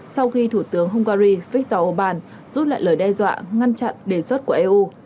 sau khi thủ tướng hungary viktor orbán rút lại lời đe dọa ngăn chặn đề xuất của eu